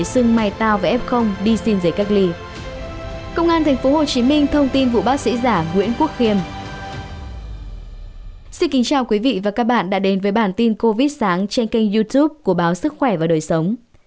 xin kính chào quý vị và các bạn đã đến với bản tin covid sáng trên kênh youtube của báo sức khỏe và đời sống